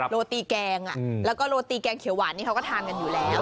โรตีแกงแล้วก็โรตีแกงเขียวหวานนี่เขาก็ทานกันอยู่แล้ว